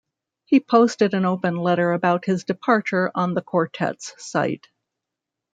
He posted an open letter about his departure on the quartet's site.